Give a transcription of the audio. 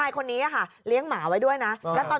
ครับโอ้โฮ